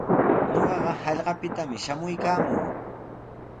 Ñuqaqa hallqapitami shamuykaamuu.